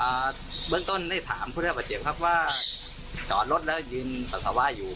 อ่าเบื้องต้นได้ถามผู้ชายประเทียบครับว่าจอดรถแล้วยืนศาสาวะอยู่